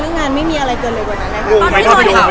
เรื่องงานไม่มีอะไรเจอเลย